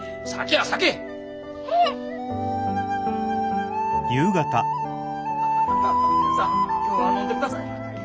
・はははさあ今日は飲んでくだされ。